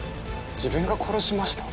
自分が殺しました